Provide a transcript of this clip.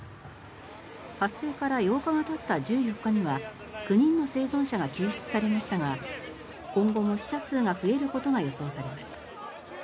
発生から８日がたった１４日には９人の生存者が救出されましたが今後も死者数が増えることが予想されます。